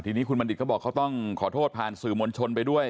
ทีนี้คุณบัณฑิตเขาบอกเขาต้องขอโทษผ่านสื่อมวลชนไปด้วย